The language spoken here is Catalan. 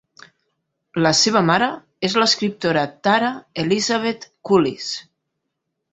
La seva mare és l'escriptora Tara Elizabeth Cullis.